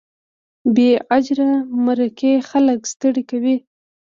بې اجره مرکې خلک ستړي کوي.